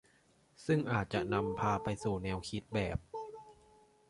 ซึ่งอาจจะนำพาไปสู่แนวคิดแบบ